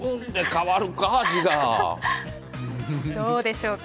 そない、どうでしょうか。